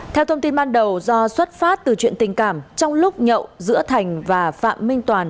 theo thông tin ban đầu do xuất phát từ chuyện tình cảm trong lúc nhậu giữa thành và phạm minh toàn